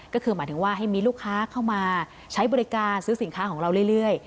ก็คือหมายถึงว่าให้มีลูกค้าเข้ามาใช้บริการซื้อสินค้าของเราเรื่อย